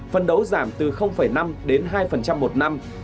phân đấu giảm từ năm đến hai một năm